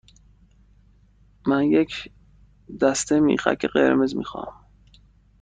من یک دسته میخک قرمز می خواهم.